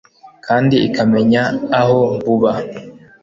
kandi ikamenya aho buba